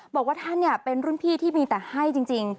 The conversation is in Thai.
บอกว่าท่านเป็นรุ่นพี่ที่มีแต่ให้จริง